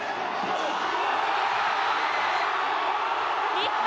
日本